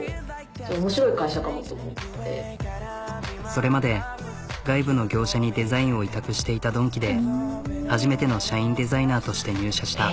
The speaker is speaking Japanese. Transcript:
それまで外部の業者にデザインを委託していたドンキで初めての社員デザイナーとして入社した。